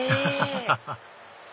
ハハハハハ